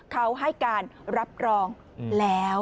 เขาให้การรับรองแล้ว